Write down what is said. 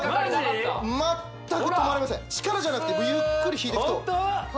まったく止まりません力じゃなくてゆっくり引いてくとホントに？